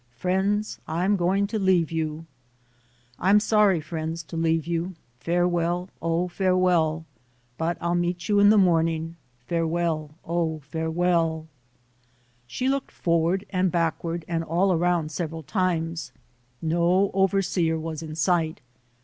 Friends, I'm going to leave you. I'm sorry, friends, to leave you, Farewell ! Oh, farewell ! But I'll meet you in the morning ! Farewell ! Oh, farewell ! She looked forward and backward and all around several times. No overseer was in sight.